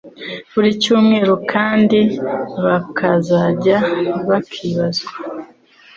buri cyumweru kandi bakazajya bakibazwa